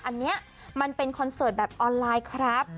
อันนี้มันเป็นคอนเสิร์ตแบบออนไลน์ครับ